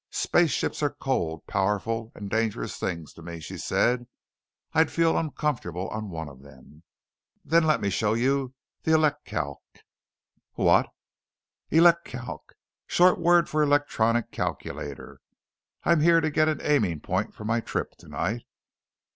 "Space ships are cold, powerful, and dangerous things to me," she said. "I'd feel uncomfortable on one of them." "Then let me show you the elecalc." "What?" "Elecalc. Short word for electronic calculator. I'm here to get an aiming point for my trip tonight."